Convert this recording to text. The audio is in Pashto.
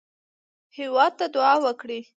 هېواد ته دعا وکړئ